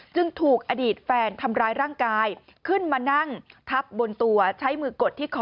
ถูกอดีตแฟนทำร้ายร่างกายขึ้นมานั่งทับบนตัวใช้มือกดที่คอ